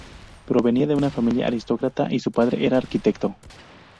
Provenía de familia aristocrática y su padre era arquitecto.